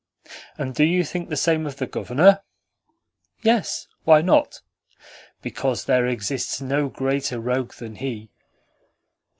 "And do you think the same of the Governor?" "Yes. Why not?" "Because there exists no greater rogue than he."